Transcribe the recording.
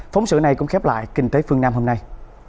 phóng sự này cũng khép lại kinh tế phương nam hôm nay